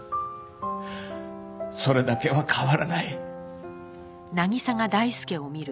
それだけは変わらない。